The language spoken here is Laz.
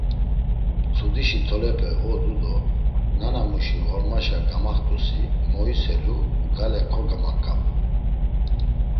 Mtsudişi tolepe odu do nanamuşi ğormaşa gamaxt̆usi moiselu gale kogamaǩap̌u.